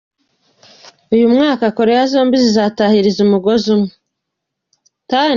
Uyu mwaka Koreya zombi zizatahiriza umugozi umwe.